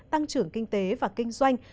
tăng trưởng kinh tế và kinh doanh